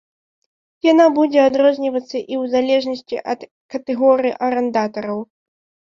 Яна будзе адрознівацца і ў залежнасці ад катэгорый арандатараў.